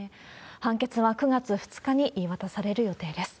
判決は９月２日に言い渡される予定です。